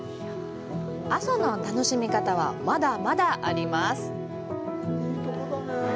阿蘇の楽しみ方は、まだまだあります。